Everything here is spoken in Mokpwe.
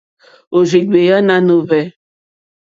Òrzìɡbèá nánù hwɛ̂.